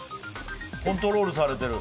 コントロールされてる。